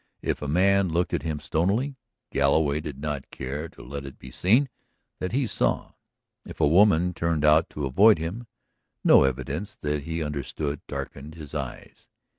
If a man looked at him stonily, Galloway did not care to let it be seen that he saw; if a woman turned out to avoid him, no evidence that he understood darkened his eyes.